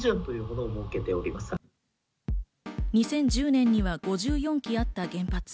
２０１０年には５４基あった原発。